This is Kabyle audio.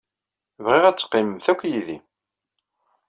Bɣiɣ ad teqqimemt akk yid-i.